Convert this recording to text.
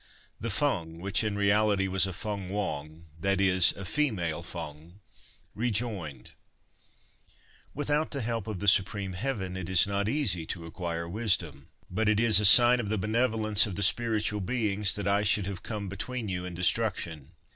The Feng, which in reality was a Feng Hwang, that is, a female Feng, rejoined :' Without the help of Supreme Heaven it is not easy to acquire wisdom, but it is a sign of the benevolence of the spiritual beings that I should have come between you and destruction.